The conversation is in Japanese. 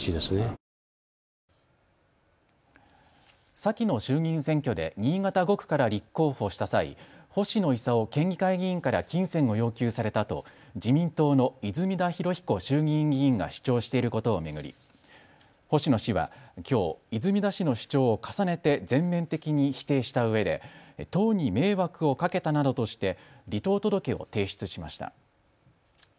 先の衆議院選挙で新潟５区から立候補した際、星野伊佐夫県議会議員から金銭を要求されたと自民党の泉田裕彦衆議院議員が主張していることを巡り星野氏はきょう、泉田氏の主張を重ねて全面的に否定したうえで党に迷惑をかけたなどとして離党届を提出しました。